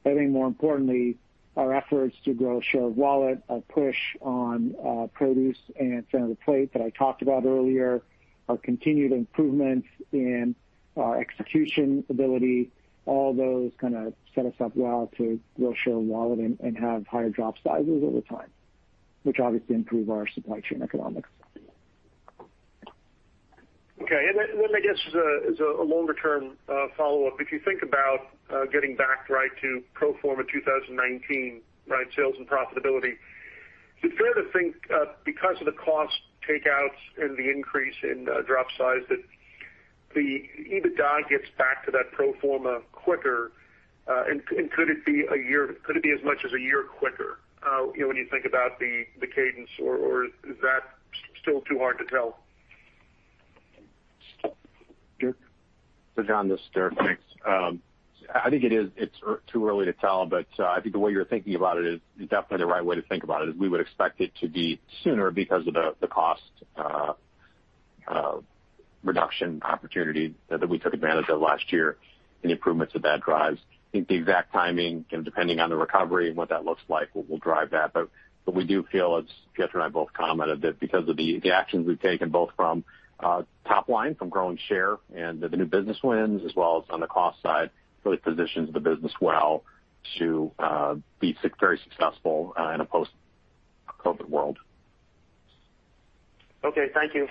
I think more importantly, our efforts to grow share of wallet, a push on produce and center of the plate that I talked about earlier, our continued improvements in our execution ability, all those kind of set us up well to grow share of wallet and, and have higher drop sizes over time, which obviously improve our supply chain economics. Okay. Then I guess as a, as a longer-term follow-up, if you think about getting back right to pro forma 2019, right, sales and profitability, is it fair to think because of the cost takeouts and the increase in drop size, that the EBITDA gets back to that pro forma quicker? Could it be as much as a year quicker, you know, when you think about the cadence or, or is that still too hard to tell? John, this is Dirk. Thanks. I think it is, it's too early to tell, but I think the way you're thinking about it is definitely the right way to think about it, is we would expect it to be sooner because of the cost reduction opportunity that we took advantage of last year and the improvements that that drives. I think the exact timing, you know, depending on the recovery and what that looks like, will, will drive that. We do feel, as Pietro and I both commented, that because of the actions we've taken, both from top line, from growing share and the new business wins, as well as on the cost side, really positions the business well to be very successful in a post-COVID world. Okay. Thank you.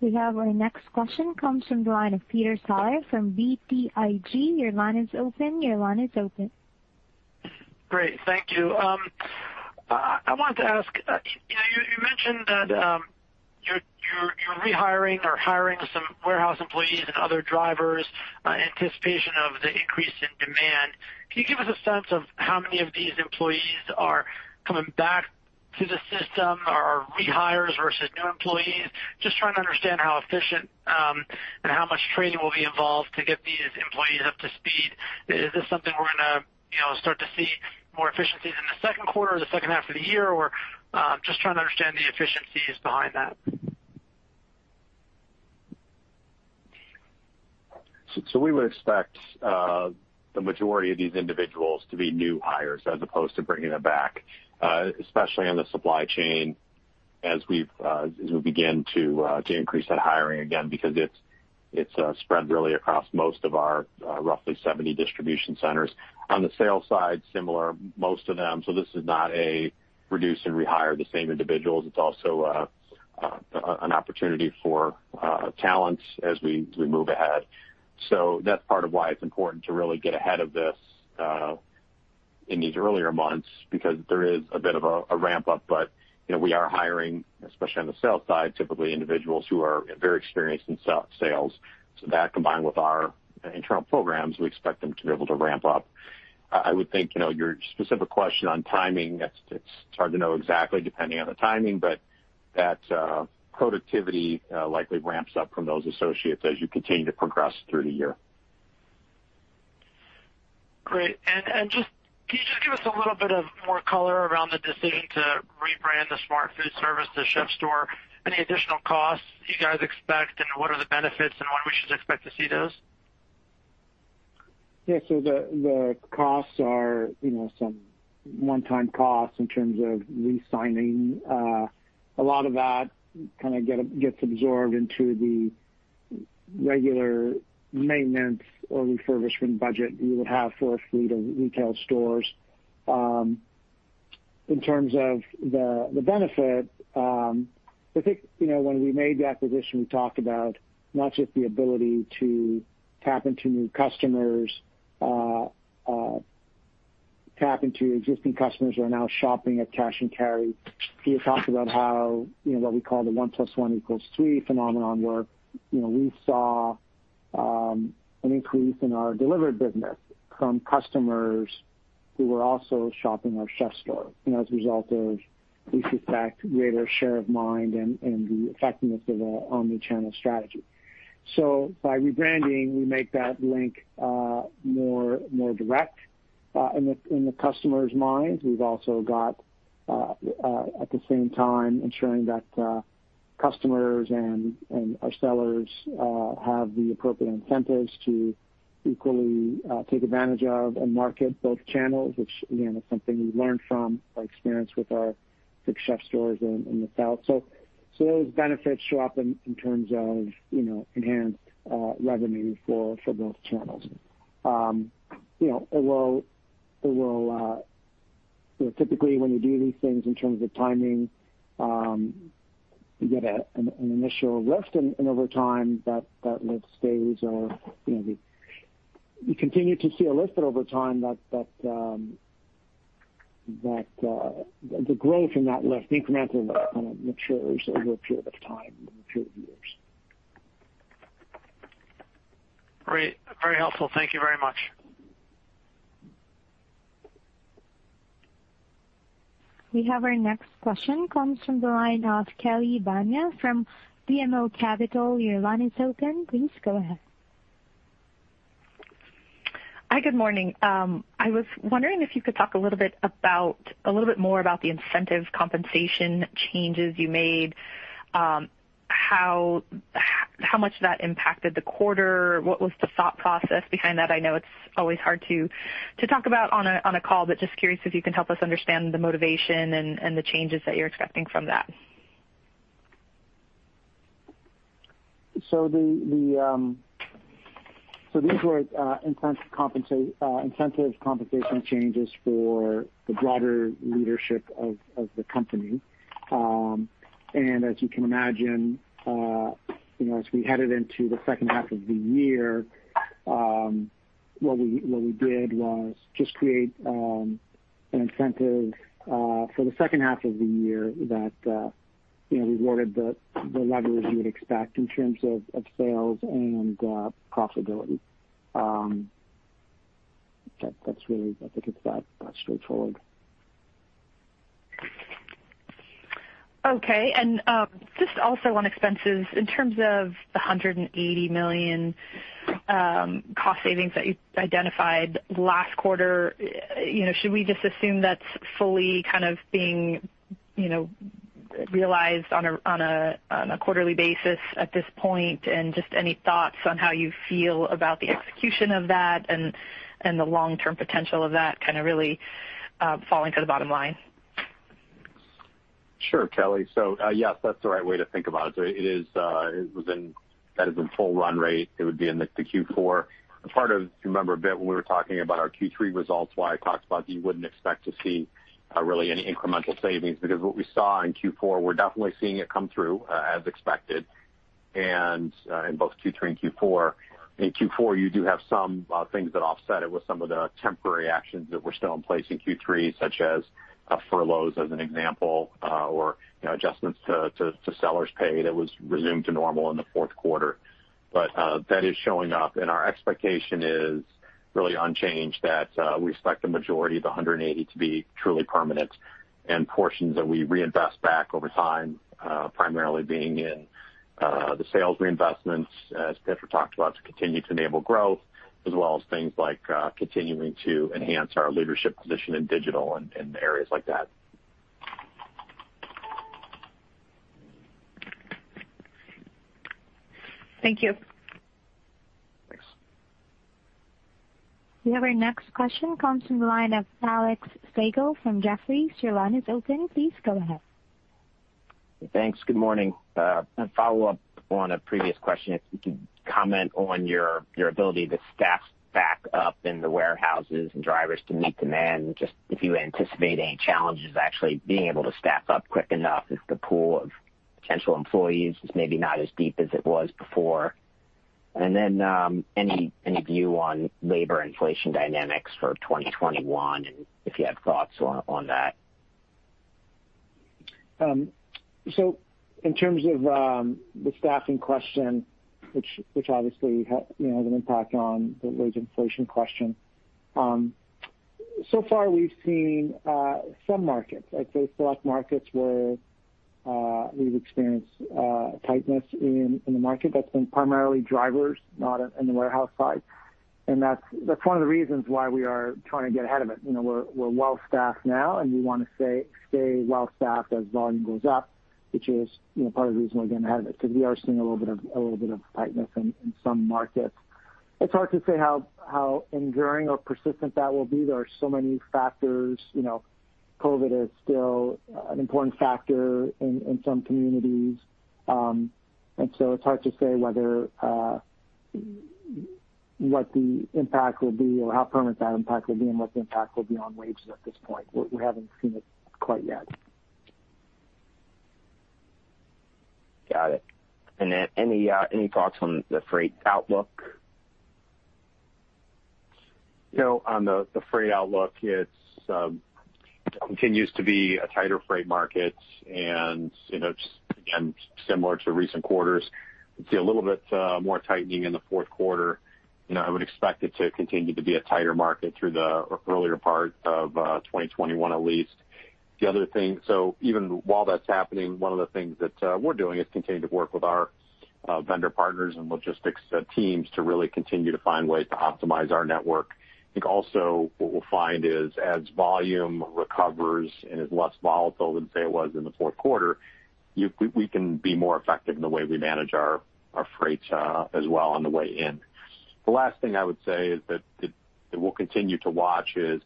Thanks. We have our next question comes from the line of Peter Saleh from BTIG. Your line is open. Your line is open. Great. Thank you. I, I wanted to ask, you know, you mentioned that you're rehiring or hiring some warehouse employees and other drivers, in anticipation of the increase in demand. Can you give us a sense of how many of these employees are coming back to the system or are rehires versus new employees? Just trying to understand how efficient, and how much training will be involved to get these employees up to speed. Is this something we're gonna, you know, start to see more efficiencies in the second quarter or the second half of the year? Just trying to understand the efficiencies behind that? We would expect the majority of these individuals to be new hires as opposed to bringing them back, especially on the supply chain, as we've as we begin to increase that hiring again, because it's it's spread really across most of our roughly 70 distribution centers. On the sales side, similar, most of them, this is not a reduce and rehire the same individuals. It's also an opportunity for talents as we we move ahead. That's part of why it's important to really get ahead of this in these earlier months, because there is a bit of a ramp up. You know, we are hiring, especially on the sales side, typically individuals who are very experienced in sales. That, combined with our internal programs, we expect them to be able to ramp up. I, I would think, you know, your specific question on timing, it's, it's hard to know exactly depending on the timing, but that productivity likely ramps up from those associates as you continue to progress through the year. Great. Just, can you just give us a little bit of more color around the decision to rebrand the Smart Foodservice to CHEF'STORE? Any additional costs you guys expect, and what are the benefits, and when we should expect to see those? Yeah. So the, the costs are, you know, some one-time costs in terms of lease signing. A lot of that kind of gets absorbed into the regular maintenance or refurbishment budget you would have for a fleet of retail stores. In terms of the, the benefit, I think, you know, when we made the acquisition, we talked about not just the ability to tap into new customers, tap into existing customers who are now shopping at cash and carry. We had talked about how, you know, what we call the one plus one equals two phenomenon, where, you know, we saw an increase in our delivery business from customers who were also shopping our CHEF'STORE. As a result of this effect, greater share of mind and, and the effectiveness of the omnichannel strategy. By rebranding, we make that link, more, more direct, in the customer's mind. We've also got, at the same time ensuring that, customers and our sellers, have the appropriate incentives to equally, take advantage of and market both channels, which, again, is something we learned from our experience with our big CHEF'STOREs in the South. Those benefits show up in, in terms of, you know, enhanced, revenue for, for both channels. You know, it will, you know, typically, when you do these things in terms of timing, you get an initial lift, and over time, that lift stays or, you know, we continue to see a lift, but over time, that the growth in that lift, incremental lift kind of matures over a period of time, over a period of years. Great. Very helpful. Thank you very much. We have our next question, comes from the line of Kelly Bania from BMO Capital. Your line is open. Please go ahead. Hi, good morning. I was wondering if you could talk a little bit more about the incentive compensation changes you made, how, how much that impacted the quarter? What was the thought process behind that? I know it's always hard to, to talk about on a, on a call, but just curious if you can help us understand the motivation and, and the changes that you're expecting from that. These were incentive compensation changes for the broader leadership of the company. As you can imagine, you know, as we headed into the second half of the year, what we, what we did was just create an incentive for the second half of the year that, you know, rewarded the levers you would expect in terms of sales and profitability. That, that's really. I think it's that straightforward. Okay. Just also on expenses, in terms of the $180 million, cost savings that you identified last quarter, you know, should we just assume that's fully kind of being, you know, realized on a, on a, on a quarterly basis at this point? Just any thoughts on how you feel about the execution of that and, and the long-term potential of that kind of really, falling to the bottom line? Sure, Kelly. Yes, that's the right way to think about it. It is, that is in full run rate. It would be in the, the Q4. Part of, you remember a bit when we were talking about our Q3 results, why I talked about that you wouldn't expect to see really any incremental savings, because what we saw in Q4, we're definitely seeing it come through as expected. In both Q3 and Q4. In Q4, you do have some things that offset it with some of the temporary actions that were still in place in Q3, such as furloughs, as an example, or, you know, adjustments to sellers' pay that was resumed to normal in the fourth quarter. That is showing up, and our expectation is really unchanged, that we expect the majority of the $180 million to be truly permanent and portions that we reinvest back over time, primarily being in the sales reinvestments, as Pietro talked about, to continue to enable growth, as well as things like continuing to enhance our leadership position in digital and areas like that. Thank you. Thanks. We have our next question comes from the line of Alex Slagle from Jefferies. Your line is open. Please go ahead. Thanks. Good morning. A follow-up on a previous question. If you could comment on your, your ability to staff back up in the warehouses and drivers to meet demand, and just if you anticipate any challenges actually being able to staff up quick enough, if the pool of potential employees is maybe not as deep as it was before? Then, any, any view on labor inflation dynamics for 2021, and if you have thoughts on, on that? In terms of the staffing question, which, which obviously has, you know, an impact on the wage inflation question, so far we've seen some markets, I'd say select markets, where we've experienced tightness in the market. That's been primarily drivers, not in the warehouse side. That's, that's one of the reasons why we are trying to get ahead of it. You know, we're, we're well staffed now, and we wanna stay, stay well staffed as volume goes up, which is, you know, part of the reason we're getting ahead of it, because we are seeing a little bit of, a little bit of tightness in, in some markets. It's hard to say how, how enduring or persistent that will be. There are so many factors. You know, COVID is still an important factor in, in some communities, and so it's hard to say whether, what the impact will be or how permanent that impact will be and what the impact will be on wages at this point. We, we haven't seen it quite yet. Got it. Then any, any thoughts on the freight outlook? You know, on the freight outlook, it's continues to be a tighter freight market. You know, just again, similar to recent quarters, we see a little bit more tightening in the fourth quarter. You know, I would expect it to continue to be a tighter market through the earlier part of 2021 at least. The other thing... Even while that's happening, one of the things that we're doing is continuing to work with our vendor partners and logistics teams to really continue to find ways to optimize our network. I think also what we'll find is as volume recovers and is less volatile than, say, it was in the fourth quarter, we can be more effective in the way we manage our our freight as well on the way in. The last thing I would say is that we'll continue to watch is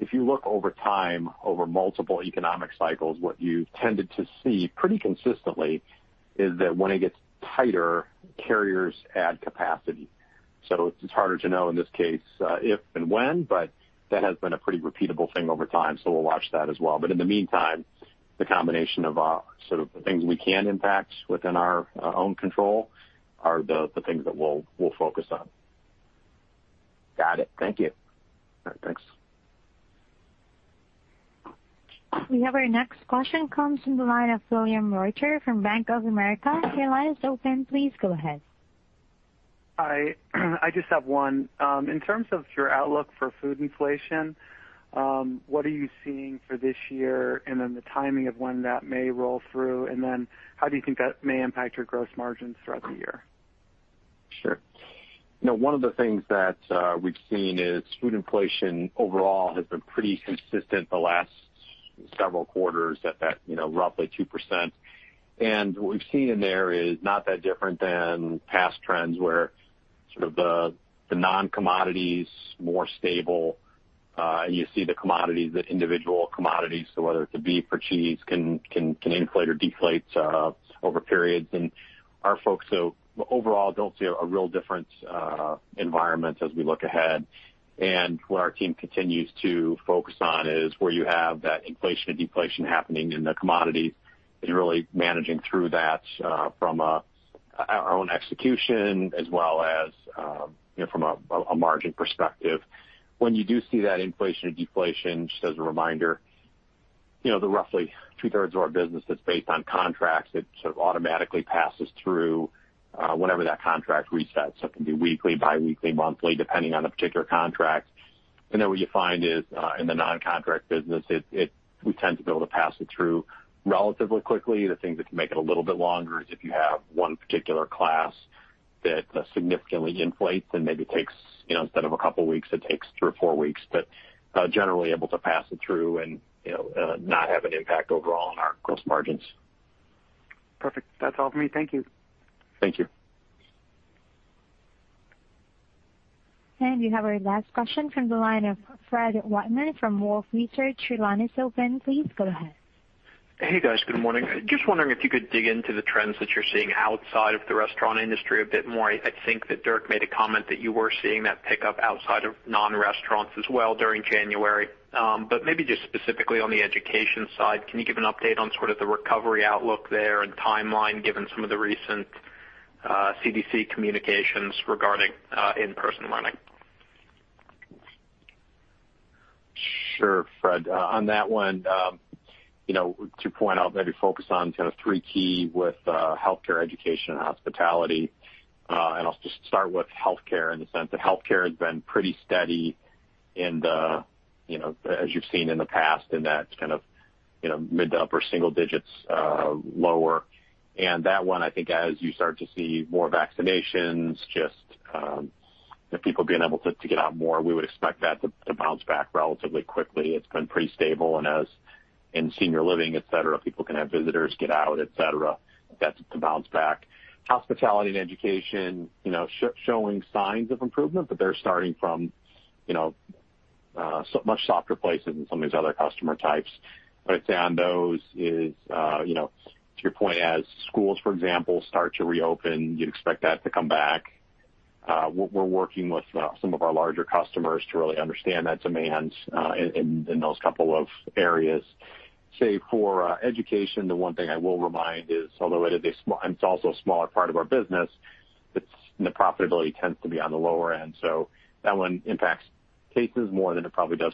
if you look over time, over multiple economic cycles, what you've tended to see pretty consistently is that when it gets tighter, carriers add capacity. It's harder to know in this case, if and when, but that has been a pretty repeatable thing over time, so we'll watch that as well. In the meantime, the combination of, sort of the things we can impact within our own control are the things that we'll focus on. Got it. Thank you. All right. Thanks. We have our next question comes from the line of William Reuter from Bank of America. Your line is open. Please go ahead. Hi. I just have one. In terms of your outlook for food inflation, what are you seeing for this year? And then the timing of when that may roll through, and then how do you think that may impact your gross margins throughout the year? Sure. You know, one of the things that we've seen is food inflation overall has been pretty consistent the last several quarters at that, you know, roughly 2%. And what we've seen in there is not that different than past trends, where sort of the, the non-commodities, more stable, and you see the commodities, the individual commodities, so whether it's a beef or cheese, can, can, can inflate or deflate, over periods. And our folks, so overall, don't see a real different environment as we look ahead. And what our team continues to focus on is where you have that inflation and deflation happening in the commodities and really managing through that, from a, our own execution, as well as, you know, from a, a margin perspective. When you do see that inflation or deflation, just as a reminder, you know, the roughly 2/3 of our business that's based on contracts, it sort of automatically passes through whenever that contract resets. It can be weekly, biweekly, monthly, depending on the particular contract. Then what you find is in the non-contract business, we tend to be able to pass it through relatively quickly. The things that can make it a little bit longer is if you have one particular class that significantly inflates and maybe takes, you know, instead of a couple weeks, it takes three or four weeks. Generally able to pass it through and, you know, not have an impact overall on our gross margins. Perfect. That's all for me. Thank you. Thank you. We have our last question from the line of Fred Wightman from Wolfe Research. Your line is open. Please go ahead. Hey, guys. Good morning. Just wondering if you could dig into the trends that you're seeing outside of the restaurant industry a bit more. I, I think that Dirk made a comment that you were seeing that pickup outside of non-restaurants as well during January. But maybe just specifically on the education side, can you give an update on sort of the recovery outlook there and timeline, given some of the recent CDC communications regarding in-person learning? Sure, Fred. On that one, you know, to point out, maybe focus on kind of three key with healthcare, education, and hospitality. I'll just start with healthcare in the sense that healthcare has been pretty steady in the, you know, as you've seen in the past, in that kind of, you know, mid to upper single digits, lower. That one, I think as you start to see more vaccinations, just the people being able to, to get out more, we would expect that to, to bounce back relatively quickly. It's been pretty stable, and as in senior living, et cetera, people can have visitors get out, et cetera. That's to bounce back. Hospitality and education, you know, showing signs of improvement, but they're starting from, you know, so much softer places than some of these other customer types. I'd say on those is, you know, to your point, as schools, for example, start to reopen, you'd expect that to come back. We're working with some of our larger customers to really understand that demand in those couple of areas. Say, for education, the one thing I will remind is, although it is a small... It's also a smaller part of our business, the profitability tends to be on the lower end, so that one impacts cases more than it probably does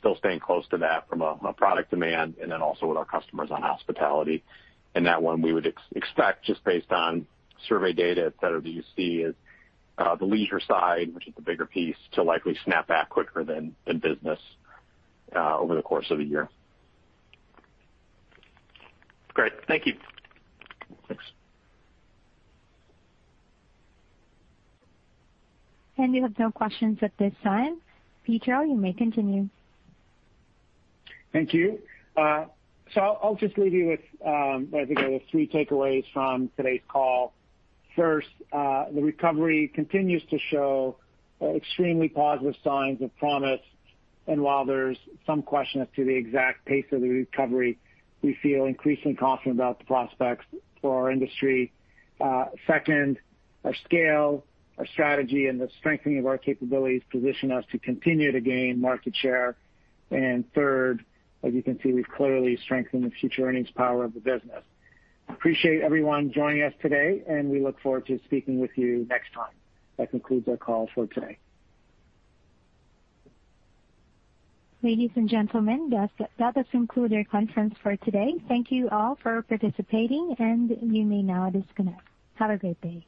profit. Still staying close to that from a, a product demand and then also with our customers on hospitality. That one we would expect, just based on survey data, et cetera, that you see is the leisure side, which is the bigger piece, to likely snap back quicker than the business, over the course of the year. Great. Thank you. Thanks. You have no questions at this time. Pietro, you may continue. Thank you. I'll, I'll just leave you with, I think there were three takeaways from today's call. First, the recovery continues to show extremely positive signs of promise, and while there's some question as to the exact pace of the recovery, we feel increasingly confident about the prospects for our industry. Second, our scale, our strategy, and the strengthening of our capabilities position us to continue to gain market share. Third, as you can see, we've clearly strengthened the future earnings power of the business. Appreciate everyone joining us today, and we look forward to speaking with you next time. That concludes our call for today. Ladies and gentlemen, that does conclude our conference for today. Thank you all for participating. You may now disconnect. Have a great day.